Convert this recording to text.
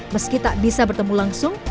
meski tak bisa bertemu langsung